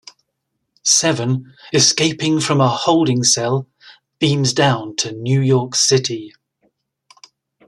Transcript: Seven, escaping from a holding cell, beams down to New York City.